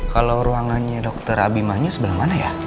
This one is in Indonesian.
kalau ruangannya dr abimanyu sebelah mana ya